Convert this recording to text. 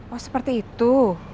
wah seperti itu